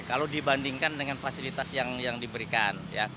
kalau dibandingkan dengan fasilitas yang diberikan